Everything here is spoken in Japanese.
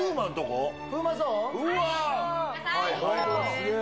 すげえ。